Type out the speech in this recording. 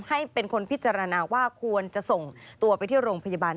ให้เป็นคนพิจารณาว่าควรจะส่งตัวไปที่โรงพยาบาล